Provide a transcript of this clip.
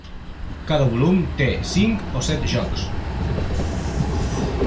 Cada volum té cinc o set jocs.